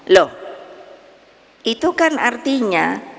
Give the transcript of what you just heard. loh itu kan artinya